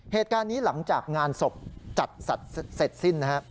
เหตุการณ์นี้หลังจากงานศพจัดเสร็จสิ้นนะฮะ